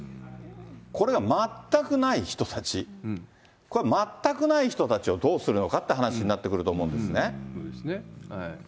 これが全くない人たち、これが全くない人たちをどうするのかって話になってくると思うんですね。